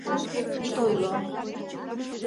Ит ойло...